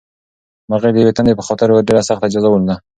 مرغۍ د یوې تندې په خاطر ډېره سخته جزا ولیده.